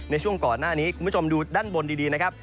ในช่วงก่อนหน้านี้คุณผู้ชมดูด้านบนดีนะครับ